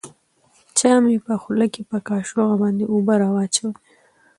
چا مې په خوله کښې په کاشوغه باندې اوبه راواچولې.